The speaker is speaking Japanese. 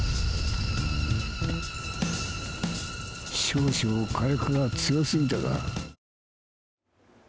少々、火薬が強すぎたか。